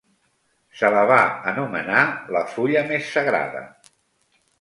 Se la va anomenar "La fulla més sagrada".